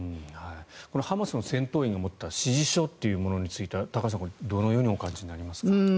このハマスの戦闘員が持った指示書というのは高橋さんはどのようにお感じになりますか。